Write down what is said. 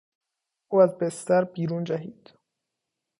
او از بستر بیرون جهید.